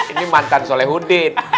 ini mantan solehudin